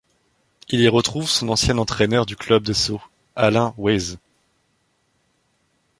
Il y retrouve son ancien entraîneur du club de Sceaux, Alain Weisz.